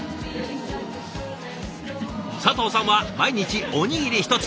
佐藤さんは毎日おにぎり１つ。